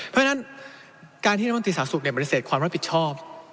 เพราะฉะนั้นการที่รัฐมนตรีสาศุกร์บริเศษความรับผิดชอบ